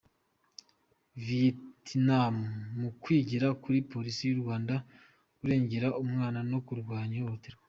Viyetinamu mu kwigira kuri Polisi y’u Rwanda kurengera umwana no kurwanya ihohoterwa